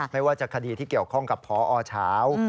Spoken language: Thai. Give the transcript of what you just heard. ไม่ว่าจะคดีที่เกี่ยวข้องกับพอเฉา